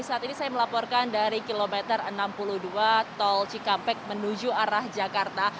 saat ini saya melaporkan dari kilometer enam puluh dua tol cikampek menuju arah jakarta